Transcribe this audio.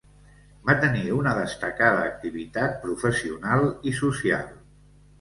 Va tenir una destacada activitat professional i social.